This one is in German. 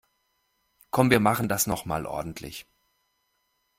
Komm, wir machen das noch mal ordentlich.